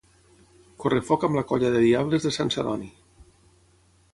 Correfoc amb la colla de Diables de Sant Celoni